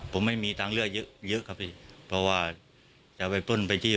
ผมไม่มีชัยเลือกเยอะเยอะครับสิเพราะว่าจะไปต้นไปจี้